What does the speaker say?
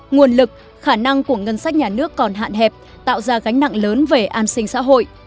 nguồn lực khả năng của ngân sách nhà nước còn hạn hẹp tạo ra gánh nặng lớn về an sinh xã hội